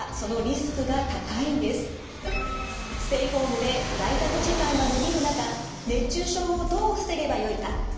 ステイホームで在宅時間がのびる中熱中症をどう防げばよいか。